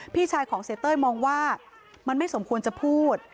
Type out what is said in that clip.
พี่ชายของเสียเต้ยมองว่ามันไม่สมควรจะพูด